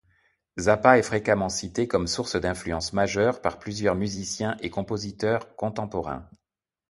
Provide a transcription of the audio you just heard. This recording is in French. Zappa est fréquemment cité comme source d'influence majeure par plusieurs musiciens et compositeurs contemporains.